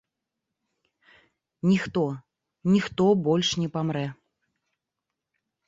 Ніхто, ніхто больш не памрэ!